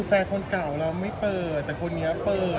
แฟนคนเก่าเราไม่เปลือแต่คนเยอะเปิด